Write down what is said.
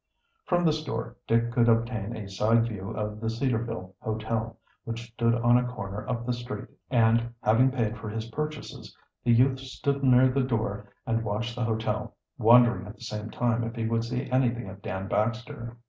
From the store Dick could obtain a side view of the Cedarville Hotel, which stood on a corner up the street, and having paid for his purchases the youth stood near the door and watched the hotel, wondering at the same time if he would see anything of Dan Baxter.